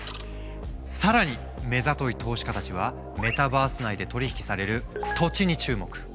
更に目ざとい投資家たちはメタバース内で取り引きされる土地に注目。